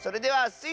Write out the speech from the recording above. スイ！